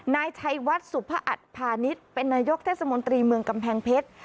นายชัยวัดสุภอัตพาณิชย์เป็นนายกเทศมนตรีเมืองกำแพงเพชร